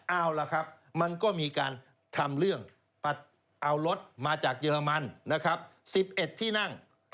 เอาล่ะครับมันก็มีการทำเรื่องเอารถมาจากเยอรมันนะครับ๑๑ที่นั่ง